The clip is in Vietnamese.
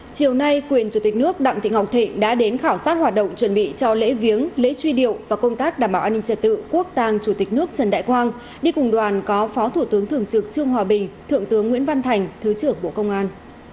chiều nay quyền chủ tịch nước đặng thị ngọc thịnh đã đến khảo sát hoạt động chuẩn bị cho lễ viếng lễ truy điệu và công tác đảm bảo an ninh trật tự quốc tàng chủ tịch nước trần đại quang đi cùng đoàn có phó thủ tướng thường trực trương hòa bình thượng tướng nguyễn văn thành thứ trưởng bộ công an